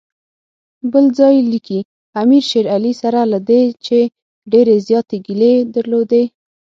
بل ځای لیکي امیر شېر علي سره له دې چې ډېرې زیاتې ګیلې درلودې.